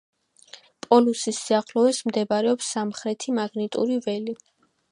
პოლუსის სიახლოვეს მდებარეობს სამხრეთი მაგნიტური ველი.